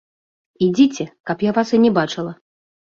Ідзіце, каб я вас і не бачыла!